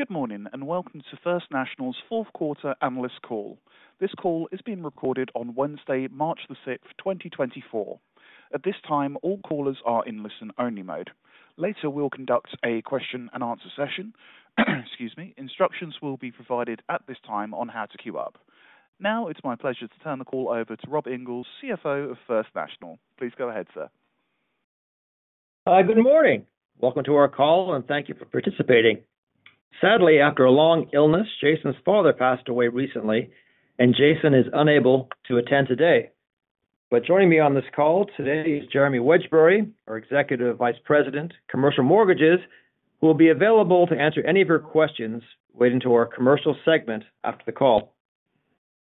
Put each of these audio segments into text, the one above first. Good morning and welcome to First National's fourth quarter analyst call. This call is being recorded on Wednesday, March the 6th, 2024. At this time, all callers are in listen-only mode. Later we'll conduct a question-and-answer session, excuse me, instructions will be provided at this time on how to queue up. Now it's my pleasure to turn the call over to Rob Inglis, CFO of First National. Please go ahead, sir. Good morning. Welcome to our call, and thank you for participating. Sadly, after a long illness, Jason's father passed away recently, and Jason is unable to attend today. But joining me on this call today is Jeremy Wedgbury, our Executive Vice President, Commercial Mortgages, who will be available to answer any of your questions relating to our commercial segment after the call.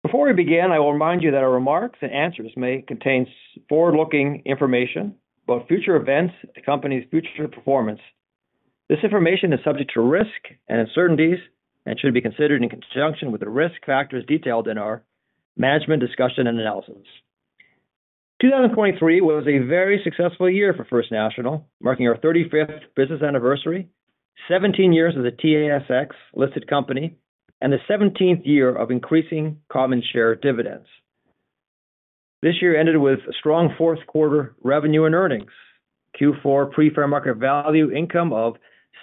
Before we begin, I will remind you that our remarks and answers may contain forward-looking information about future events and the company's future performance. This information is subject to risk and uncertainties and should be considered in conjunction with the risk factors detailed in our management discussion and analysis. 2023 was a very successful year for First National, marking our 35th business anniversary, 17 years as a TSX-listed company, and the 17th year of increasing common share dividends. This year ended with strong fourth quarter revenue and earnings. Q4 Pre-Fair Market Value Income of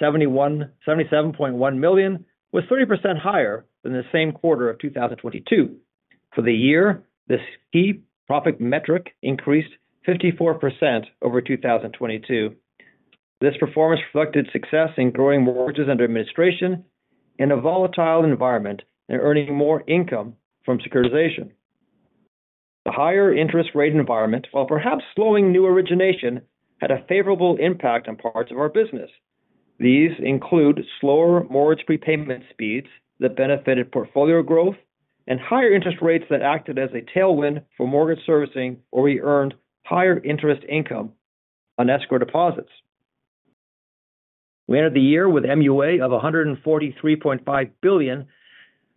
77.1 million was 30% higher than the same quarter of 2022. For the year, this key profit metric increased 54% over 2022. This performance reflected success in growing mortgages under administration in a volatile environment and earning more income from securitization. The higher interest rate environment, while perhaps slowing new origination, had a favorable impact on parts of our business. These include slower mortgage prepayment speeds that benefited portfolio growth, and higher interest rates that acted as a tailwind for mortgage servicing where we earned higher interest income on escrow deposits. We ended the year with MUA of 143.5 billion,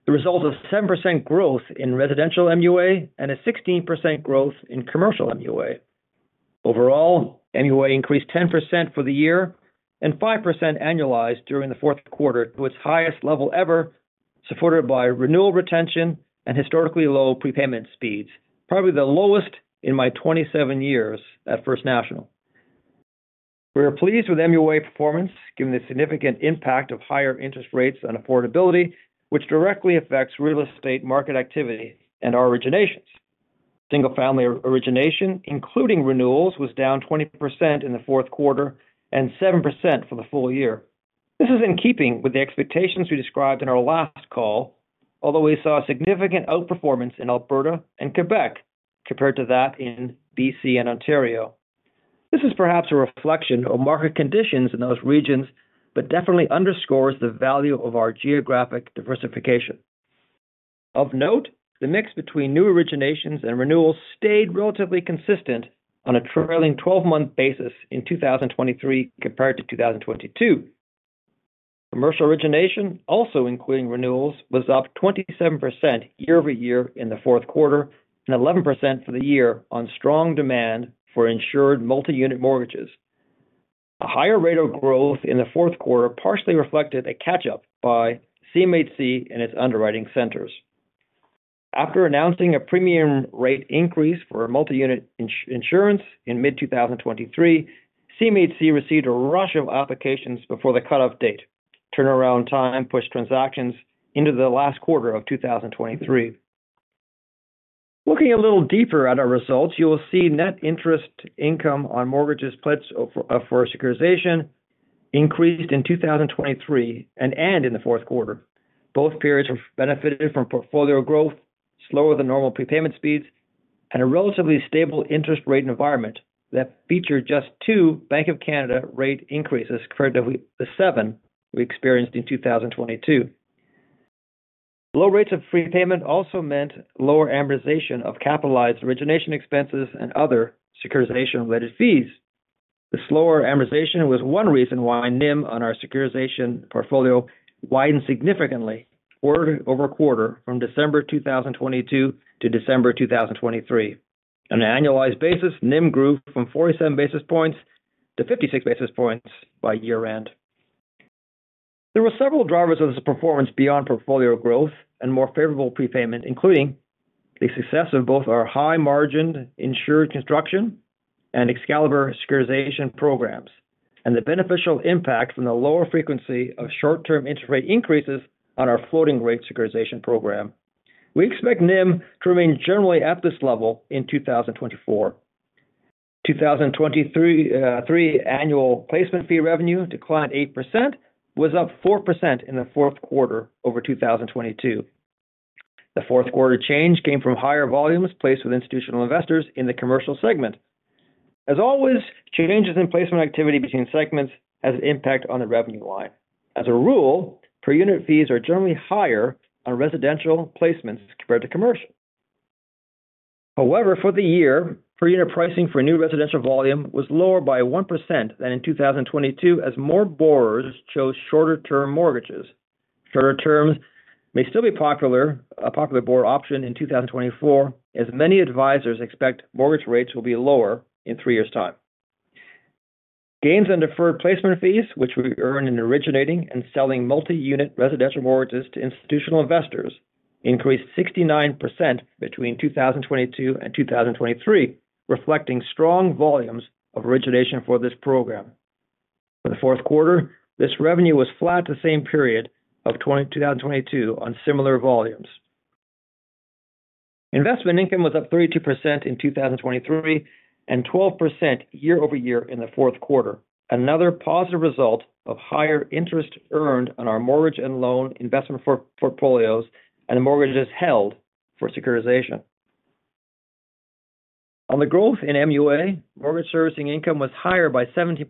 the result of 7% growth in residential MUA and a 16% growth in commercial MUA. Overall, MUA increased 10% for the year and 5% annualized during the fourth quarter to its highest level ever, supported by renewal retention and historically low prepayment speeds, probably the lowest in my 27 years at First National. We are pleased with MUA performance given the significant impact of higher interest rates on affordability, which directly affects real estate market activity and our originations. Single-family origination, including renewals, was down 20% in the fourth quarter and 7% for the full year. This is in keeping with the expectations we described in our last call, although we saw significant outperformance in Alberta and Quebec compared to that in BC and Ontario. This is perhaps a reflection of market conditions in those regions but definitely underscores the value of our geographic diversification. Of note, the mix between new originations and renewals stayed relatively consistent on a trailing 12-month basis in 2023 compared to 2022. Commercial origination, also including renewals, was up 27% year-over-year in the fourth quarter and 11% for the year on strong demand for insured multi-unit mortgages. A higher rate of growth in the fourth quarter partially reflected a catch-up by CMHC and its underwriting centers. After announcing a premium rate increase for multi-unit insurance in mid-2023, CMHC received a rush of applications before the cutoff date, turnaround time pushed transactions into the last quarter of 2023. Looking a little deeper at our results, you will see net interest income on mortgages pledged for securitization increased in 2023 and in the fourth quarter. Both periods have benefited from portfolio growth, slower than normal prepayment speeds, and a relatively stable interest rate environment that featured just 2 Bank of Canada rate increases compared to the 7 we experienced in 2022. Low rates of prepayment also meant lower amortization of capitalized origination expenses and other securitization-related fees. The slower amortization was one reason why NIM on our securitization portfolio widened significantly quarter-over-quarter from December 2022 to December 2023. On an annualized basis, NIM grew from 47 basis points to 56 basis points by year-end. There were several drivers of this performance beyond portfolio growth and more favorable prepayment, including the success of both our high-margined insured construction and Excalibur securitization programs and the beneficial impact from the lower frequency of short-term interest rate increases on our floating-rate securitization program. We expect NIM to remain generally at this level in 2024. 2023 annual placement fee revenue declined 8%, was up 4% in the fourth quarter over 2022. The fourth quarter change came from higher volumes placed with institutional investors in the commercial segment. As always, changes in placement activity between segments have an impact on the revenue line. As a rule, per-unit fees are generally higher on residential placements compared to commercial. However, for the year, per-unit pricing for new residential volume was lower by 1% than in 2022 as more borrowers chose shorter-term mortgages. Shorter terms may still be a popular borrower option in 2024, as many advisors expect mortgage rates will be lower in three years' time. Gains on deferred placement fees, which we earned in originating and selling multi-unit residential mortgages to institutional investors, increased 69% between 2022 and 2023, reflecting strong volumes of origination for this program. For the fourth quarter, this revenue was flat the same period of 2022 on similar volumes. Investment income was up 32% in 2023 and 12% year-over-year in the fourth quarter, another positive result of higher interest earned on our mortgage and loan investment portfolios and the mortgages held for securitization. On the growth in MUA, mortgage servicing income was higher by 70%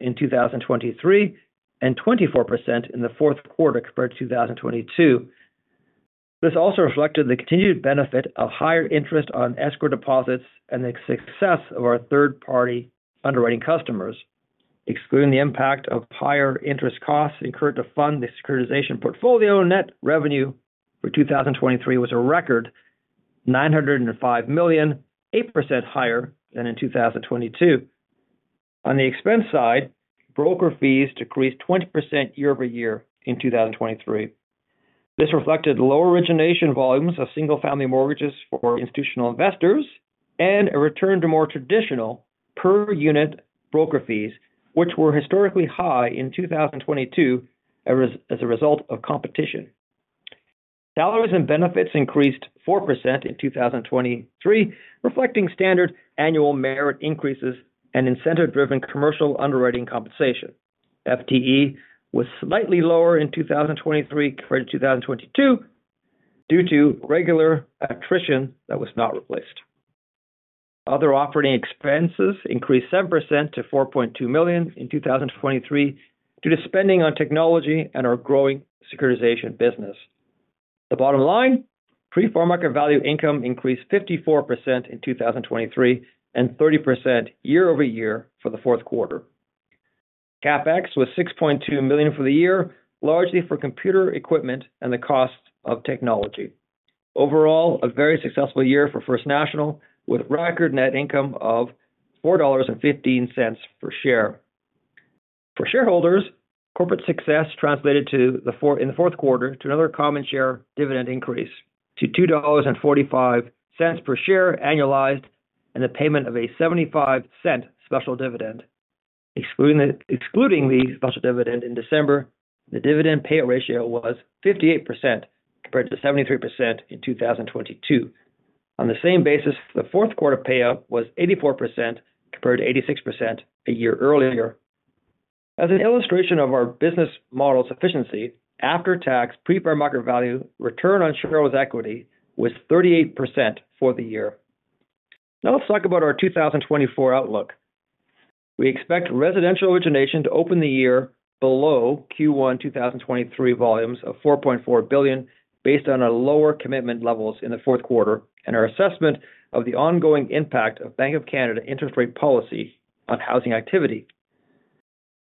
in 2023 and 24% in the fourth quarter compared to 2022. This also reflected the continued benefit of higher interest on escrow deposits and the success of our third-party underwriting customers. Excluding the impact of higher interest costs incurred to fund the securitization portfolio, net revenue for 2023 was a record 905 million, 8% higher than in 2022. On the expense side, broker fees decreased 20% year-over-year in 2023. This reflected lower origination volumes of single-family mortgages for institutional investors and a return to more traditional per-unit broker fees, which were historically high in 2022 as a result of competition. Salaries and benefits increased 4% in 2023, reflecting standard annual merit increases and incentive-driven commercial underwriting compensation. FTE was slightly lower in 2023 compared to 2022 due to regular attrition that was not replaced. Other operating expenses increased 7% to 4.2 million in 2023 due to spending on technology and our growing securitization business. The bottom line: pre-fair market value income increased 54% in 2023 and 30% year over year for the fourth quarter. CapEx was 6.2 million for the year, largely for computer equipment and the costs of technology. Overall, a very successful year for First National with record net income of 4.15 dollars per share. For shareholders, corporate success translated in the fourth quarter to another common share dividend increase to 2.45 dollars per share annualized and the payment of a 0.75 special dividend. Excluding the special dividend in December, the dividend payout ratio was 58% compared to 73% in 2022. On the same basis, the fourth quarter payout was 84% compared to 86% a year earlier. As an illustration of our business model's efficiency, after tax, pre-fair market value return on shareholders' equity was 38% for the year. Now let's talk about our 2024 outlook. We expect residential origination to open the year below Q1 2023 volumes of 4.4 billion based on our lower commitment levels in the fourth quarter and our assessment of the ongoing impact of Bank of Canada interest rate policy on housing activity.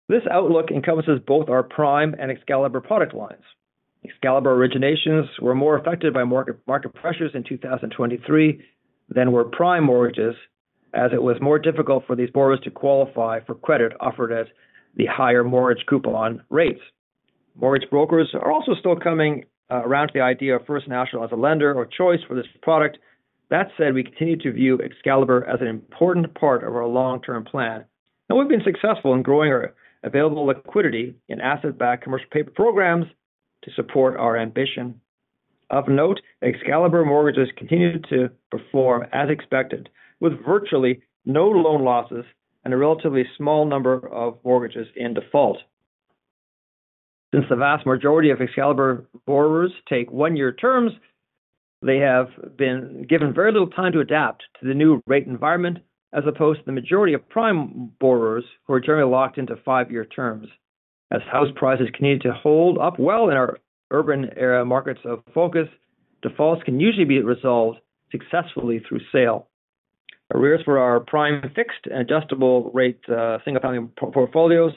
This outlook encompasses both our Prime and Excalibur product lines. Excalibur originations were more affected by market pressures in 2023 than were Prime mortgages, as it was more difficult for these borrowers to qualify for credit offered at the higher mortgage coupon rates. Mortgage brokers are also still coming around to the idea of First National as a lender of choice for this product. That said, we continue to view Excalibur as an important part of our long-term plan, and we've been successful in growing our available liquidity in asset-backed commercial paper programs to support our ambition. Of note, Excalibur mortgages continue to perform as expected, with virtually no loan losses and a relatively small number of mortgages in default. Since the vast majority of Excalibur borrowers take one-year terms, they have been given very little time to adapt to the new rate environment as opposed to the majority of Prime borrowers who are generally locked into five-year terms. As house prices continue to hold up well in our urban area markets of focus, defaults can usually be resolved successfully through sale. Arrears for our Prime fixed and adjustable-rate single-family portfolios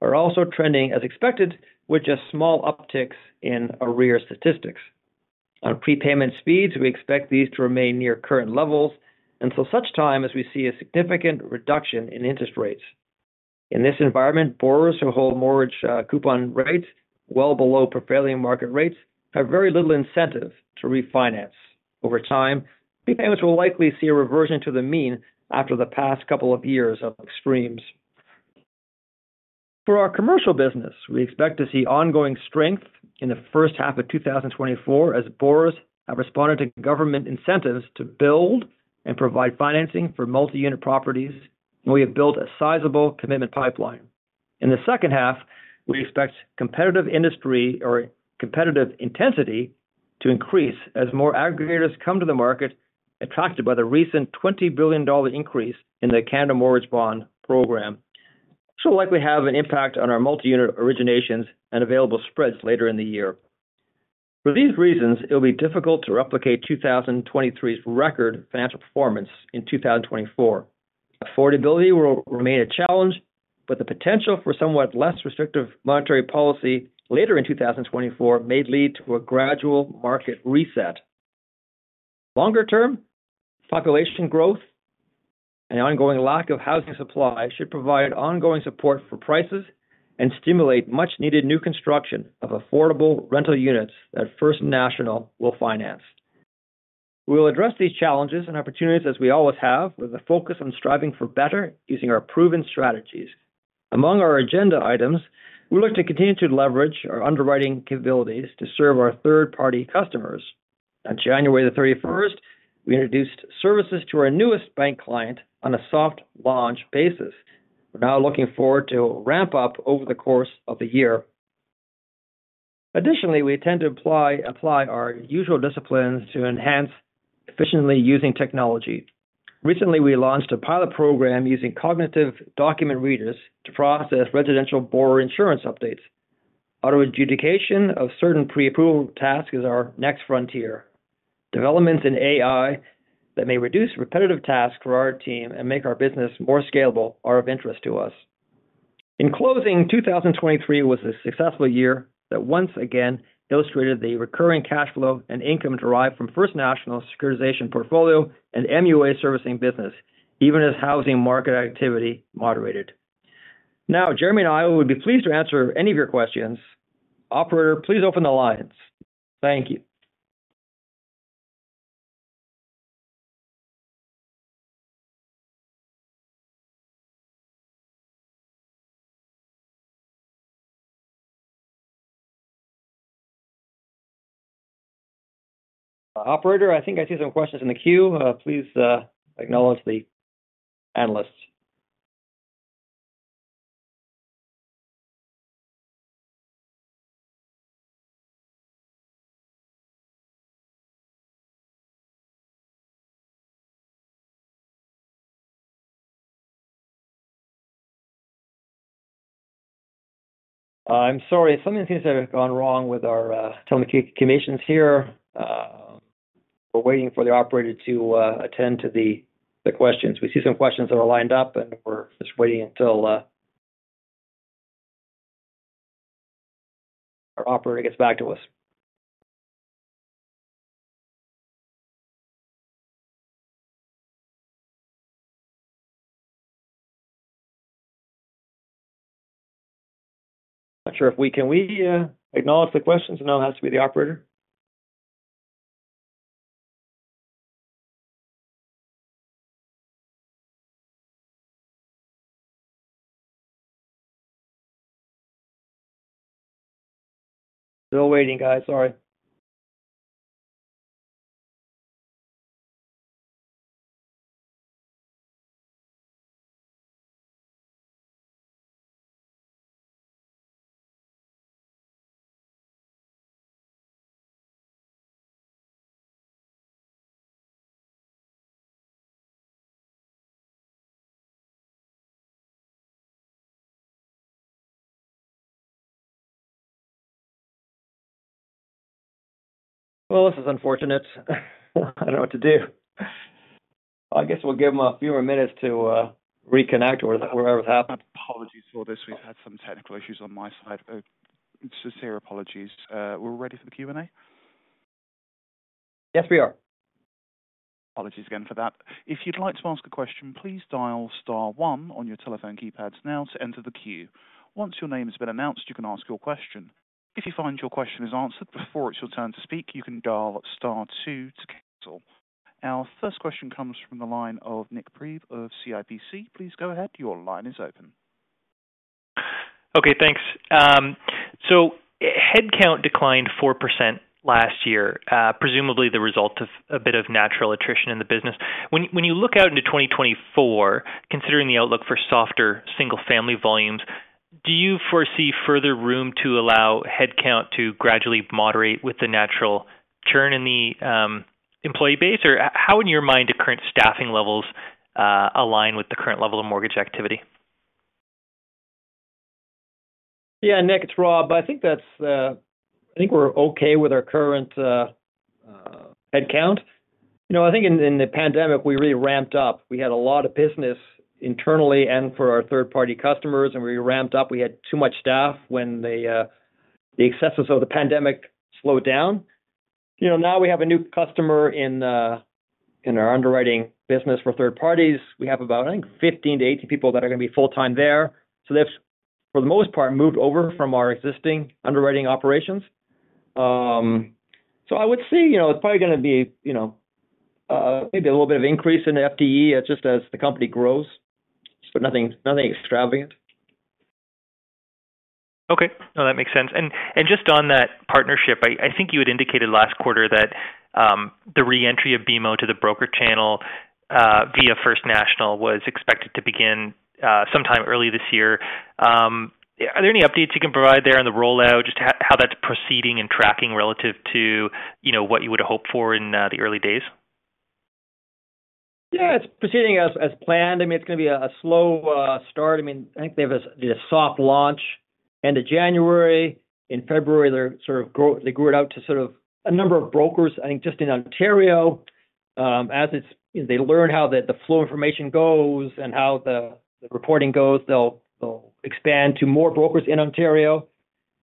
are also trending as expected, with just small upticks in arrears statistics. On prepayment speeds, we expect these to remain near current levels until such time as we see a significant reduction in interest rates. In this environment, borrowers who hold mortgage coupon rates well below prevailing market rates have very little incentive to refinance. Over time, prepayments will likely see a reversion to the mean after the past couple of years of extremes. For our commercial business, we expect to see ongoing strength in the first half of 2024 as borrowers have responded to government incentives to build and provide financing for multi-unit properties, and we have built a sizable commitment pipeline. In the second half, we expect competitive industry or competitive intensity to increase as more aggregators come to the market, attracted by the recent 20 billion dollar increase in the Canada Mortgage Bond program. This will likely have an impact on our multi-unit originations and available spreads later in the year. For these reasons, it will be difficult to replicate 2023's record financial performance in 2024. Affordability will remain a challenge, but the potential for somewhat less restrictive monetary policy later in 2024 may lead to a gradual market reset. Longer-term, population growth and ongoing lack of housing supply should provide ongoing support for prices and stimulate much-needed new construction of affordable rental units that First National will finance. We will address these challenges and opportunities as we always have, with a focus on striving for better using our proven strategies. Among our agenda items, we look to continue to leverage our underwriting capabilities to serve our third-party customers. On January 31st, we introduced services to our newest bank client on a soft launch basis. We're now looking forward to ramp up over the course of the year. Additionally, we intend to apply our usual disciplines to enhance efficiently using technology. Recently, we launched a pilot program using cognitive document readers to process residential borrower insurance updates. Auto adjudication of certain pre-approval tasks is our next frontier. Developments in AI that may reduce repetitive tasks for our team and make our business more scalable are of interest to us. In closing, 2023 was a successful year that once again illustrated the recurring cash flow and income derived from First National's securitization portfolio and MUA servicing business, even as housing market activity moderated. Now, Jeremy and I would be pleased to answer any of your questions. Operator, please open the lines. Thank you. Operator, I think I see some questions in the queue. Please acknowledge the analysts. I'm sorry. Something seems to have gone wrong with our telecommunications here. We're waiting for the operator to attend to the questions. We see some questions that are lined up, and we're just waiting until our operator gets back to us. I'm not sure if we can acknowledge the questions? No, it has to be the operator. Still waiting, guys. Sorry. Sorry. Well, this is unfortunate. I don't know what to do. I guess we'll give them a few more minutes to reconnect or wherever it's happened. Apologies for this. We've had some technical issues on my side. Sincere apologies. We're ready for the Q&A? Yes, we are. Apologies again for that. If you'd like to ask a question, please dial star one on your telephone keypads now to enter the queue. Once your name has been announced, you can ask your question. If you find your question is answered before it's your turn to speak, you can dial star two to cancel. Our first question comes from the line of Nik Priebe of CIBC Capital Markets. Please go ahead. Your line is open. Okay, thanks. So headcount declined 4% last year, presumably the result of a bit of natural attrition in the business. When you look out into 2024, considering the outlook for softer single-family volumes, do you foresee further room to allow headcount to gradually moderate with the natural churn in the employee base? Or how, in your mind, do current staffing levels align with the current level of mortgage activity? Yeah, Nick, it's Rob. I think we're okay with our current headcount. I think in the pandemic, we really ramped up. We had a lot of business internally and for our third-party customers, and we ramped up. We had too much staff when the excesses of the pandemic slowed down. Now we have a new customer in our underwriting business for third parties. We have about, I think, 15-18 people that are going to be full-time there. So they've, for the most part, moved over from our existing underwriting operations. So I would see it's probably going to be maybe a little bit of increase in FTE just as the company grows, but nothing extravagant. Okay. No, that makes sense. And just on that partnership, I think you had indicated last quarter that the reentry of BMO to the broker channel via First National was expected to begin sometime early this year. Are there any updates you can provide there on the rollout, just how that's proceeding and tracking relative to what you would have hoped for in the early days? Yeah, it's proceeding as planned. I mean, it's going to be a slow start. I mean, I think they have a soft launch end of January. In February, they grew it out to a number of brokers, I think, just in Ontario. As they learn how the flow of information goes and how the reporting goes, they'll expand to more brokers in Ontario.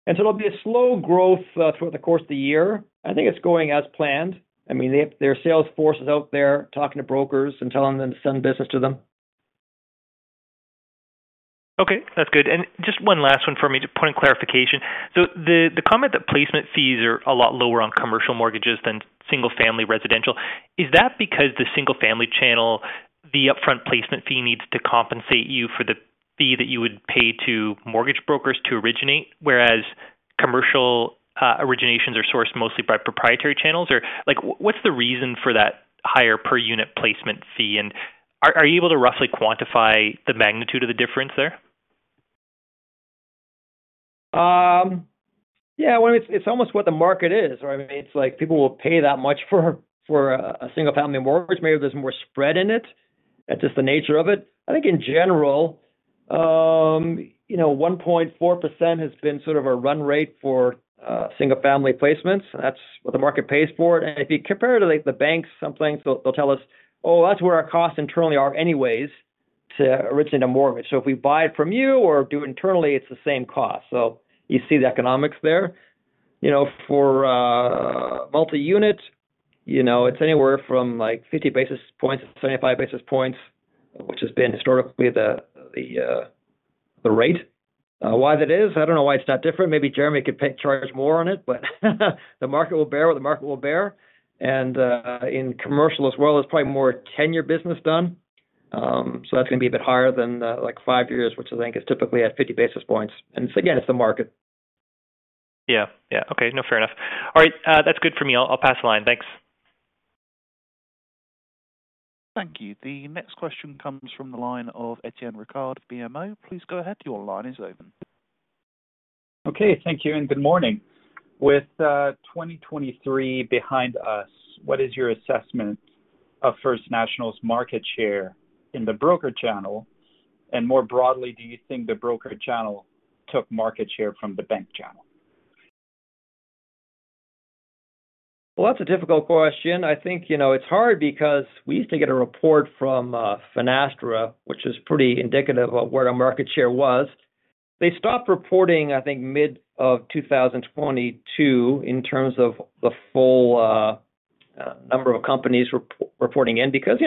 And so there'll be a slow growth throughout the course of the year. I think it's going as planned. I mean, their sales force is out there talking to brokers and telling them to send business to them. Okay, that's good. And just one last one for me to point in clarification. So the comment that placement fees are a lot lower on commercial mortgages than single-family residential, is that because the single-family channel, the upfront placement fee needs to compensate you for the fee that you would pay to mortgage brokers to originate, whereas commercial originations are sourced mostly by proprietary channels? Or what's the reason for that higher per-unit placement fee? And are you able to roughly quantify the magnitude of the difference there? Yeah, I mean, it's almost what the market is. I mean, it's like people will pay that much for a single-family mortgage. Maybe there's more spread in it. That's just the nature of it. I think, in general, 1.4% has been a run rate for single-family placements. That's what the market pays for it. And if you compare it to the banks someplace, they'll tell us, "Oh, that's where our costs internally are anyways to originate a mortgage. So if we buy it from you or do it internally, it's the same cost." So you see the economics there. For multi-unit, it's anywhere from 50-75 basis points, which has been historically the rate. Why that is, I don't know why it's not different. Maybe Jeremy could charge more on it, but the market will bear what the market will bear. And in commercial as well, it's probably more tenure business done. So that's going to be a bit higher than 5 years, which I think is typically at 50 basis points. And again, it's the market. Yeah, yeah. Okay, no, fair enough. All right, that's good for me. I'll pass the line. Thanks. Thank you. The next question comes from the line of Étienne Ricard of BMO. Please go ahead. Your line is open. Okay, thank you and good morning. With 2023 behind us, what is your assessment of First National's market share in the broker channel? And more broadly, do you think the broker channel took market share from the bank channel? Well, that's a difficult question. I think it's hard because we used to get a report from Finastra, which was pretty indicative of where our market share was. They stopped reporting, I think, mid of 2022 in terms of the full number of companies reporting in because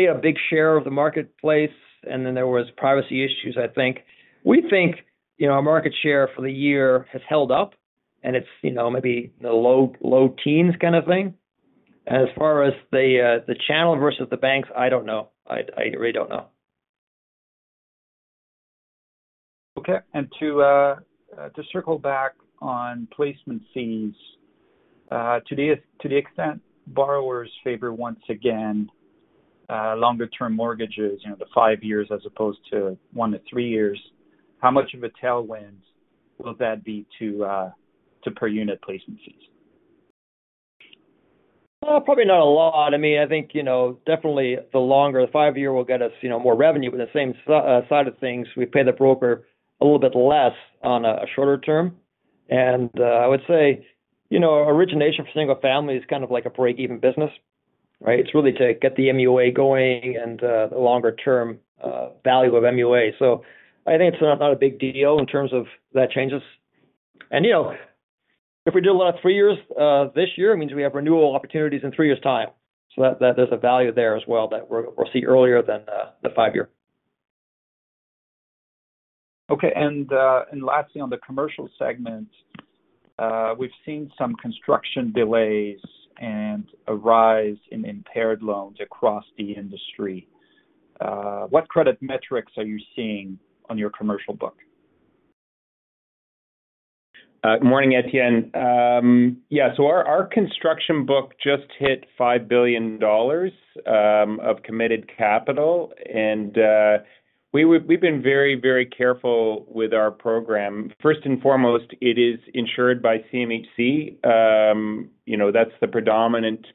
they had a big share of the marketplace, and then there were privacy issues, I think. We think our market share for the year has held up, and it's maybe in the low teens kind of thing. As far as the channel versus the banks, I don't know. I really don't know. Okay. To circle back on placement fees, to the extent borrowers favor once again longer-term mortgages, the five years as opposed to one to three years, how much of a tailwind will that be to per-unit placement fees? Probably not a lot. I mean, I think definitely the longer the five-year will get us more revenue. But on the same side of things, we pay the broker a little bit less on a shorter term. And I would say origination for single families is kind of like a break-even business, right? It's really to get the MUA going and the longer-term value of MUA. So I think it's not a big deal in terms of that changes. And if we did a lot of three years this year, it means we have renewal opportunities in three years' time. So there's a value there as well that we'll see earlier than the five-year. Okay. Lastly, on the commercial segment, we've seen some construction delays and a rise in impaired loans across the industry. What credit metrics are you seeing on your commercial book? Good morning, Étienne. Yeah, so our construction book just hit 5 billion dollars of committed capital. And we've been very, very careful with our program. First and foremost, it is insured by CMHC. That's the predominant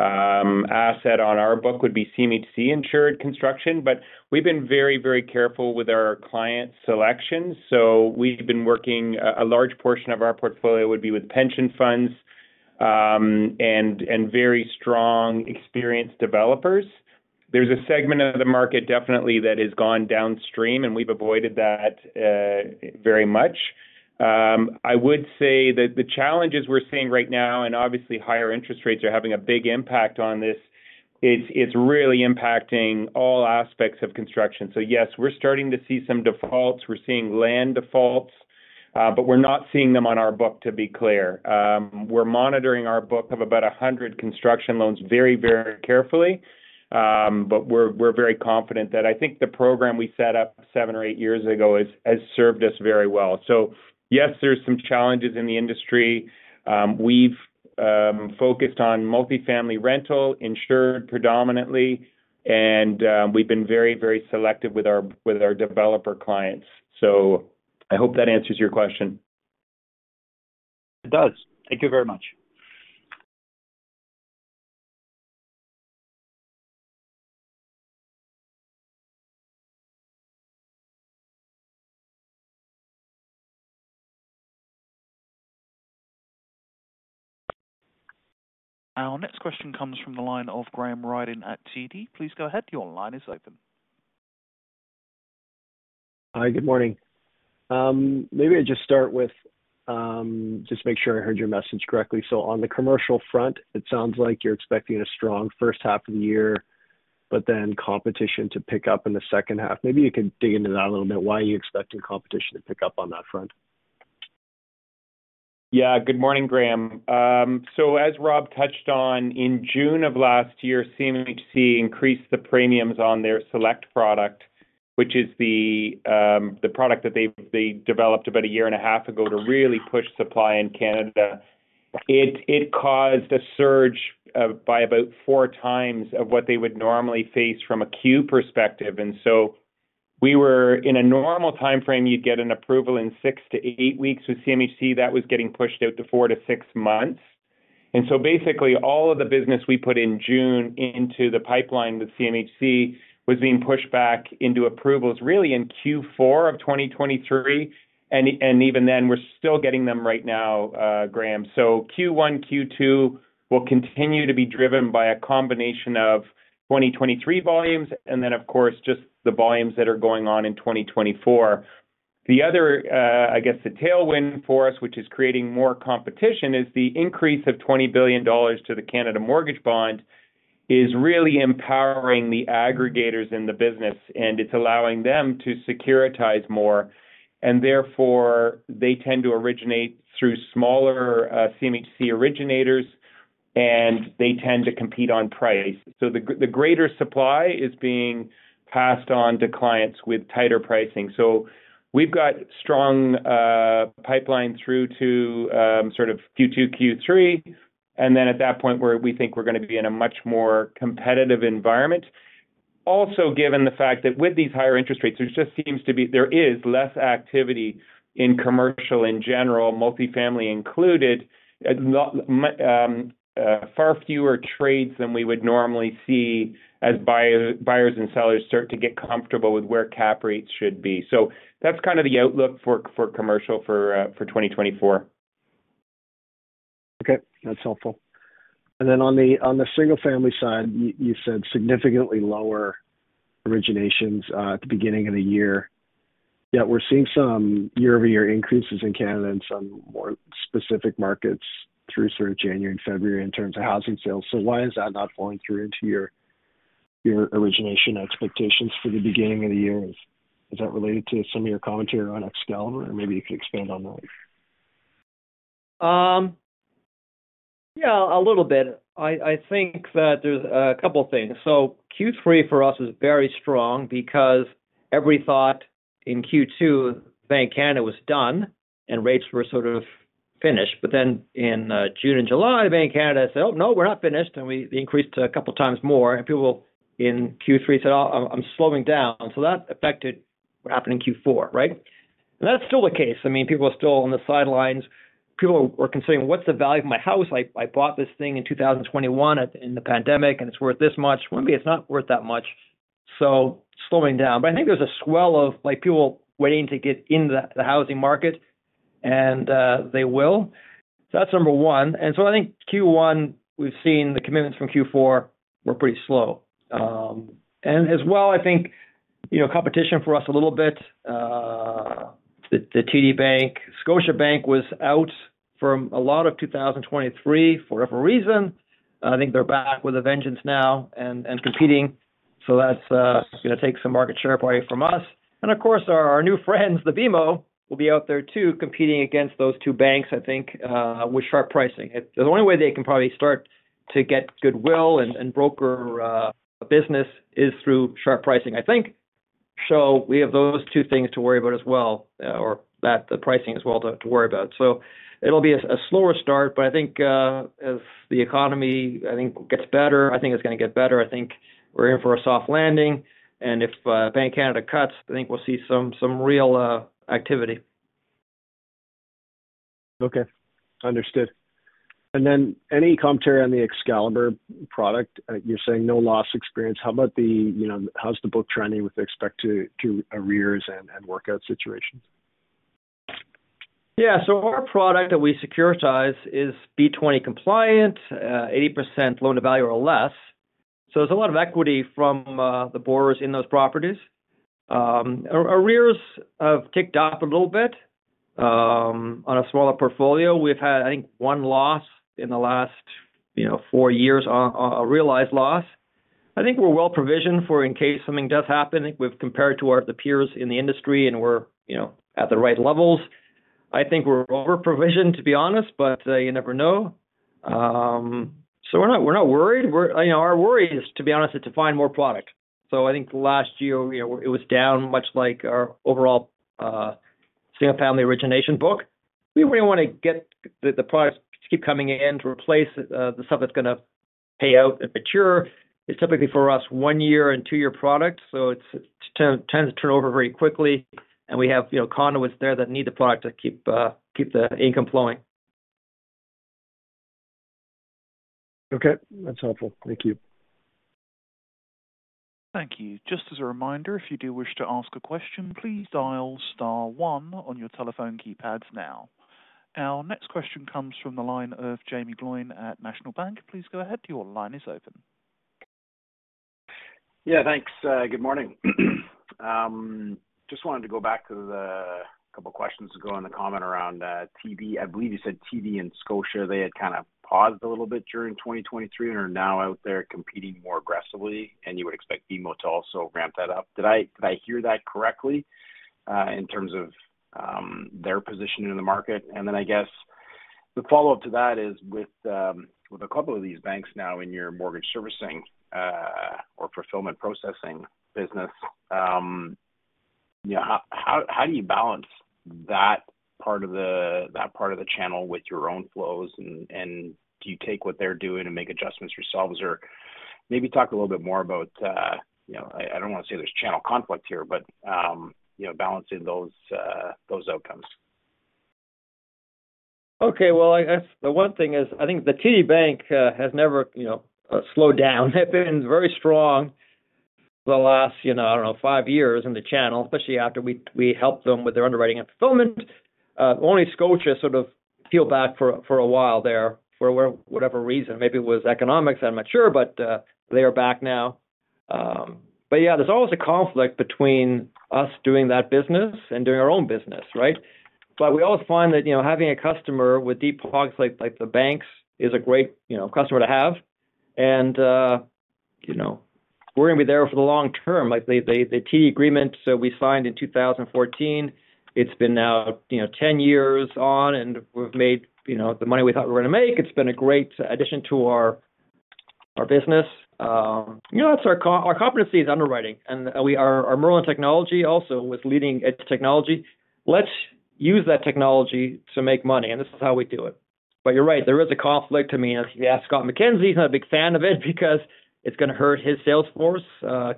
asset on our book would be CMHC-insured construction. But we've been very, very careful with our client selections. So we've been working a large portion of our portfolio would be with pension funds and very strong, experienced developers. There's a segment of the market, definitely, that has gone downstream, and we've avoided that very much. I would say that the challenges we're seeing right now, and obviously, higher interest rates are having a big impact on this, it's really impacting all aspects of construction. So yes, we're starting to see some defaults. We're seeing land defaults, but we're not seeing them on our book, to be clear. We're monitoring our book of about 100 construction loans very, very carefully. But we're very confident that I think the program we set up 7 or 8 years ago has served us very well. So yes, there's some challenges in the industry. We've focused on multifamily rental, insured predominantly, and we've been very, very selective with our developer clients. So I hope that answers your question. It does. Thank you very much. Our next question comes from the line of Graham Ryding at TD Securities. Please go ahead. Your line is open. Hi, good morning. Maybe I'd just start with just make sure I heard your message correctly. So on the commercial front, it sounds like you're expecting a strong first half of the year, but then competition to pick up in the second half. Maybe you could dig into that a little bit, why are you expecting competition to pick up on that front? Yeah, good morning, Graham. So as Rob touched on, in June of last year, CMHC increased the premiums on their Select product, which is the product that they developed about a year and a half ago to really push supply in Canada. It caused a surge by about 4 times of what they would normally face from a queue perspective. So we were in a normal timeframe, you'd get an approval in 6-8 weeks. With CMHC, that was getting pushed out to 4-6 months. And so basically, all of the business we put in June into the pipeline with CMHC was being pushed back into approvals, really in Q4 of 2023. And even then, we're still getting them right now, Graham. So Q1, Q2 will continue to be driven by a combination of 2023 volumes and then, of course, just the volumes that are going on in 2024. The other, I guess, the tailwind for us, which is creating more competition, is the increase of 20 billion dollars to the Canada Mortgage Bond is really empowering the aggregators in the business, and it's allowing them to securitize more. And therefore, they tend to originate through smaller CMHC originators, and they tend to compete on price. So the greater supply is being passed on to clients with tighter pricing. So we've got strong pipeline through to Q2, Q3, and then at that point, we think we're going to be in a much more competitive environment. Also, given the fact that with these higher interest rates, there just seems to be less activity in commercial in general, multifamily included, far fewer trades than we would normally see as buyers and sellers start to get comfortable with where cap rates should be. So that's kind of the outlook for commercial for 2024. Okay, that's helpful. And then on the single-family side, you said significantly lower originations at the beginning of the year. Yeah, we're seeing some year-over-year increases in Canada in some more specific markets through January and February in terms of housing sales. So why is that not falling through into your origination expectations for the beginning of the year? Is that related to some of your commentary on Excalibur? Or maybe you could expand on that. Yeah, a little bit. I think that there's a couple of things. So Q3 for us was very strong because everyone thought in Q2, Bank of Canada was done and rates were finished. But then in June and July, Bank of Canada said, "Oh, no, we're not finished." And we increased a couple of times more. And people in Q3 said, "Oh, I'm slowing down." So that affected what happened in Q4, right? And that's still the case. I mean, people are still on the sidelines. People are considering, "What's the value of my house? I bought this thing in 2021 in the pandemic, and it's worth this much. Maybe it's not worth that much." So slowing down. But I think there's a swell of people relating to get in the housing market, and they will. So that's number one. And so I think Q1, we've seen the commitments from Q4 were pretty slow. And as well, I think competition for us a little bit. The TD Bank, Scotiabank was out from a lot of 2023 for whatever reason. I think they're back with a vengeance now and competing. So that's going to take some market share probably from us. And of course, our new friends, the BMO, will be out there too competing against those two banks, I think, with sharp pricing. The only way they can probably start to get goodwill and broker business is through sharp pricing, I think. So we have those two things to worry about as well or the pricing as well to worry about. So it'll be a slower start. But I think as the economy, I think, gets better, I think it's going to get better. I think we're in for a soft landing. And if Bank of Canada cuts, I think we'll see some real activity. Okay, understood. And then any commentary on the Excalibur product? You're saying no loss experience. How about how's the book trending with respect to arrears and workout situations? Yeah, so our product that we securitize is B-20 compliant, 80% loan to value or less. So there's a lot of equity from the borrowers in those properties. Arrears have ticked up a little bit on a smaller portfolio. We've had, I think, one loss in the last four years, a realized loss. I think we're well provisioned for in case something does happen. I think we've compared to the peers in the industry, and we're at the right levels. I think we're overprovisioned, to be honest, but you never know. So we're not worried. Our worry is, to be honest, is to find more product. So I think last year, it was down much like our overall single-family origination book. We really want to get the products to keep coming in to replace the stuff that's going to pay out and mature. It's typically for us 1-year and 2-year products. So it tends to turn over very quickly. And we have conduits there that need the product to keep the income flowing. Okay, that's helpful. Thank you. Thank you. Just as a reminder, if you do wish to ask a question, please dial star one on your telephone keypads now. Our next question comes from the line of Jaeme Gloyn at National Bank Financial. Please go ahead. Your line is open. Yeah, thanks. Good morning. Just wanted to go back to the couple of questions ago and the comment around TD. I believe you said TD and Scotia, they had kind of paused a little bit during 2023 and are now out there competing more aggressively, and you would expect BMO to also ramp that up. Did I hear that correctly in terms of their positioning in the market? And then I guess the follow-up to that is with a couple of these banks now in your mortgage servicing or fulfillment processing business, how do you balance that part of the channel with your own flows? And do you take what they're doing and make adjustments yourselves? Or maybe talk a little bit more about I don't want to say there's channel conflict here, but balancing those outcomes. Okay. Well, I guess the one thing is I think the TD Bank has never slowed down. They've been very strong for the last, I don't know, 5 years in the channel, especially after we helped them with their underwriting and fulfillment. Only Scotia sort of peeled back for a while there for whatever reason. Maybe it was economics that matured, but they are back now. But yeah, there's always a conflict between us doing that business and doing our own business, right? But we always find that having a customer with deep pockets like the banks is a great customer to have. And we're going to be there for the long term. The TD agreement we signed in 2014, it's been now 10 years on, and we've made the money we thought we were going to make. It's been a great addition to our business. That's our competency is underwriting. And our Merlin technology also was leading edge technology. Let's use that technology to make money. This is how we do it. You're right. There is a conflict. I mean, if you ask Scott McKenzie, he's not a big fan of it because it's going to hurt his sales force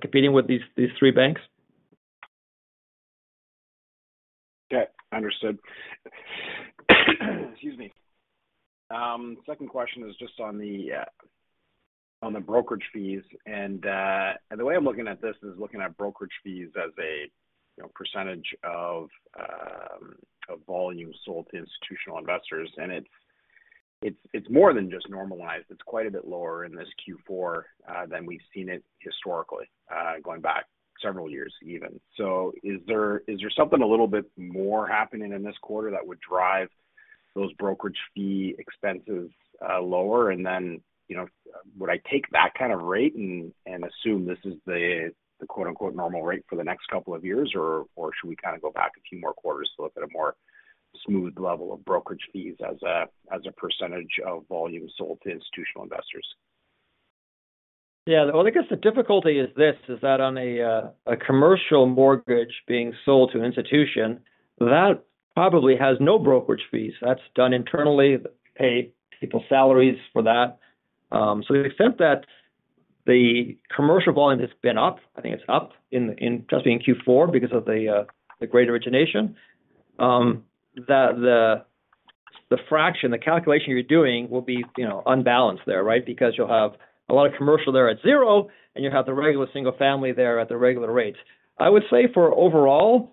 competing with these three banks. Okay, understood. Excuse me. Second question is just on the brokerage fees. The way I'm looking at this is looking at brokerage fees as a percentage of volume sold to institutional investors. It's more than just normalized. It's quite a bit lower in this Q4 than we've seen it historically going back several years even. Is there something a little bit more happening in this quarter that would drive those brokerage fee expenses lower? Then would I take that kind of rate and assume this is the "normal rate" for the next couple of years? Or should we kind of go back a few more quarters to look at a more smooth level of brokerage fees as a percentage of volume sold to institutional investors? Yeah. Well, I guess the difficulty is this, is that on a commercial mortgage being sold to an institution, that probably has no brokerage fees. That's done internally. Pay people salaries for that. So to the extent that the commercial volume has been up, I think it's up just being Q4 because of the great origination, the fraction, the calculation you're doing will be unbalanced there, right? Because you'll have a lot of commercial there at zero, and you'll have the regular single family there at the regular rates. I would say for overall,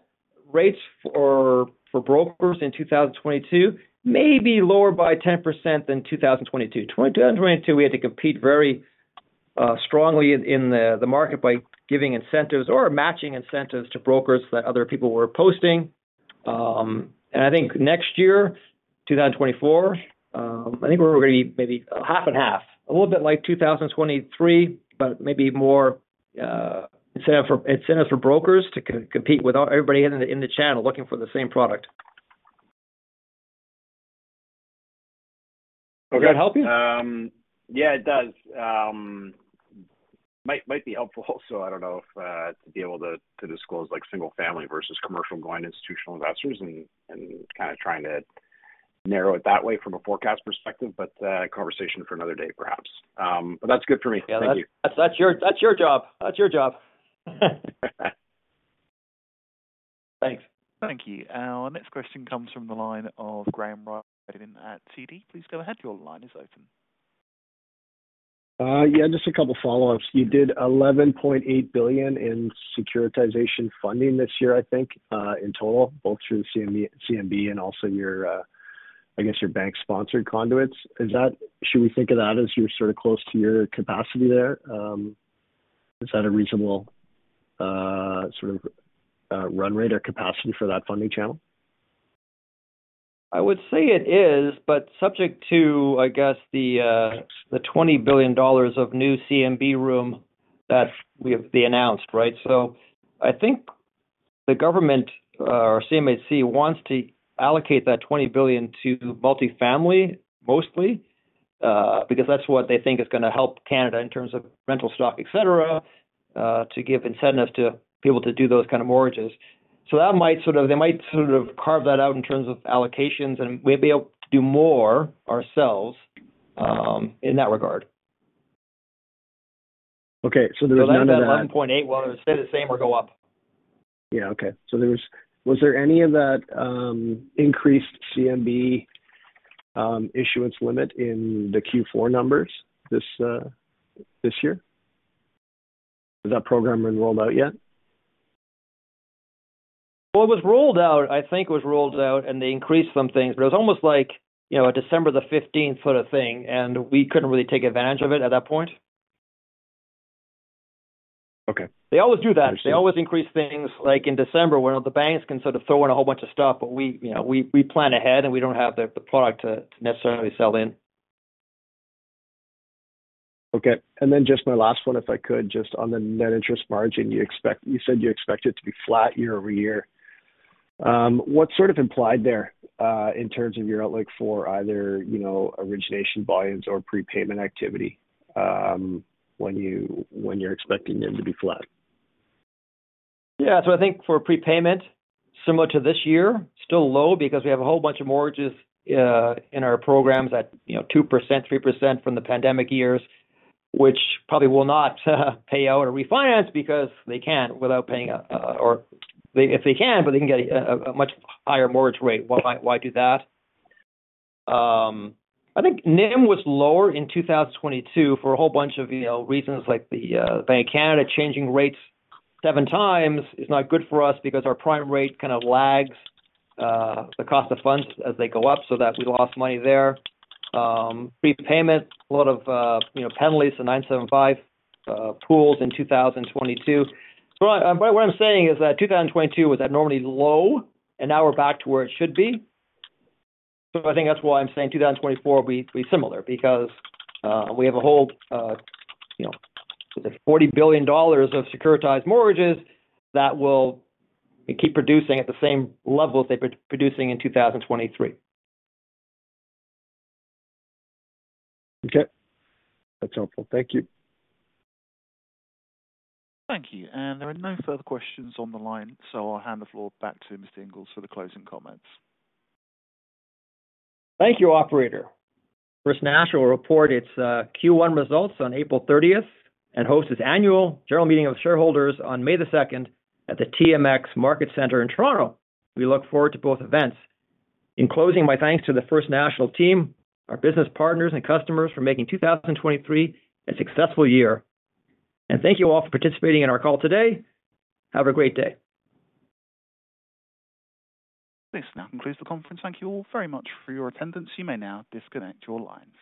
rates for brokers in 2022 may be lower by 10% than 2022. 2022, we had to compete very strongly in the market by giving incentives or matching incentives to brokers that other people were posting. And I think next year, 2024, I think we're going to be maybe half and half, a little bit like 2023, but maybe more incentives for brokers to compete with everybody in the channel looking for the same product. Does that help you? Yeah, it does. Might be helpful also. I don't know if to be able to disclose single family versus commercial going institutional investors and kind of trying to narrow it that way from a forecast perspective. But conversation for another day, perhaps. But that's good for me. Thank you. Yeah, that's your job. That's your job. Thanks. Thank you. Our next question comes from the line of Graham Ryding at TD Securities. Please go ahead. Your line is open. Yeah, just a couple of follow-ups. You did 11.8 billion in securitization funding this year, I think, in total, both through the CMB and also your, I guess, your bank-sponsored conduits. Should we think of that as you're sort of close to your capacity there? Is that a reasonable run rate or capacity for that funding channel? I would say it is, but subject to, I guess, the 20 billion dollars of new CMB room that we have announced, right? So I think the government, or CMHC, wants to allocate that 20 billion to multifamily mostly because that's what they think is going to help Canada in terms of rental stock, etc., to give incentives to people to do those kind of mortgages. So that might sort of they might sort of carve that out in terms of allocations, and we may be able to do more ourselves in that regard. Okay. So there was none of that. Whether it stay the same or go up. Yeah. Okay. So was there any of that increased CMB issuance limit in the Q4 numbers this year? Is that program rolled out yet? Well, it was rolled out. I think it was rolled out, and they increased some things. But it was almost like a December 15th sort of thing, and we couldn't really take advantage of it at that point. They always do that. They always increase things. In December, the banks can sort of throw in a whole bunch of stuff, but we plan ahead, and we don't have the product to necessarily sell in. Okay. And then just my last one, if I could, just on the net interest margin, you said you expect it to be flat year-over-year. What's sort of implied there in terms of your outlook for either origination volumes or prepayment activity when you're expecting them to be flat? Yeah. So I think for prepayment, similar to this year, still low because we have a whole bunch of mortgages in our programs at 2%, 3% from the pandemic years, which probably will not pay out or refinance because they can't without paying a or if they can, but they can get a much higher mortgage rate. Why do that? I think NIM was lower in 2022 for a whole bunch of reasons, like the Bank of Canada changing rates seven times is not good for us because our prime rate kind of lags the cost of funds as they go up, so that we lost money there. Prepayment, a lot of penalties to 975 pools in 2022. But what I'm saying is that 2022 was abnormally low, and now we're back to where it should be. So I think that's why I'm saying 2024 will be similar because we have a whole is it 40 billion dollars of securitized mortgages that will keep producing at the same level as they've been producing in 2023. Okay. That's helpful. Thank you. Thank you. And there are no further questions on the line, so I'll hand the floor back to Mr. Inglis for the closing comments. Thank you, operator. First National will report its Q1 results on April 30th and hosts its annual general meeting of shareholders on May the 2nd at the TMX Market Centre in Toronto. We look forward to both events. In closing, my thanks to the First National team, our business partners, and customers for making 2023 a successful year. Thank you all for participating in our call today. Have a great day. This now concludes the conference. Thank you all very much for your attendance. You may now disconnect your lines.